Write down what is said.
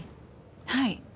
はい。